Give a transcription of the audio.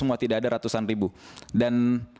semua tidak ada ratusan ribu dan